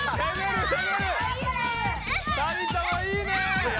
二人ともいいね！